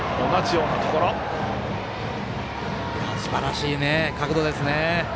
すばらしい角度ですね。